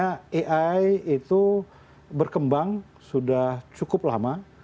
karena ai itu berkembang sudah cukup lama